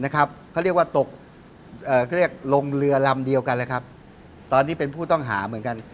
เขาเรียกว่าตกลงเรือลำเดียวกันตอนนี้เป็นผู้ต้องหาเหมือนกัน